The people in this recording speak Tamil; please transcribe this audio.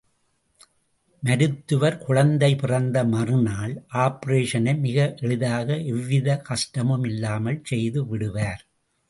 மருத்துவர் குழந்தை பிறந்த மறு நாள் ஆப்பரேஷனை மிக எளிதாக எவ்விதக் கஷ்டமும் இல்லாமல் செய்துவிடுவார்.